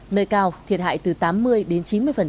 nơi cao thiệt hại từ tám mươi đến chín mươi